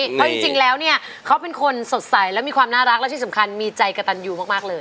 เพราะจริงแล้วเนี่ยเขาเป็นคนสดใสและมีความน่ารักและที่สำคัญมีใจกระตันยูมากเลย